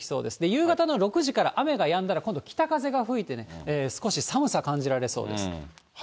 夕方の６時から雨がやんだら、今度北風が吹いてね、少し寒さ、感じられそうです。